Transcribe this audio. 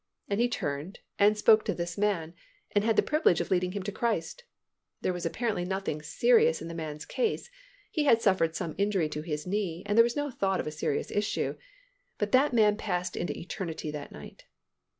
And he turned and spoke to this man and had the privilege of leading him to Christ. There was apparently nothing serious in the man's case. He had suffered some injury to his knee and there was no thought of a serious issue, but that man passed into eternity that night.